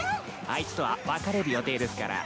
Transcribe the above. あいつとは別れる予定ですから。